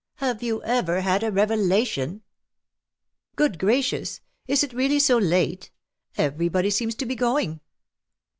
Have you ever had a revelation ? Good gracious ! is it really so late ? Everybody seems to be going.'"'